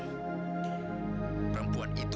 perempuan itu tidak bisa dihukum dengan tantri